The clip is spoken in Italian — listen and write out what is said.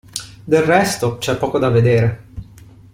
Del resto, c'è poco da vedere.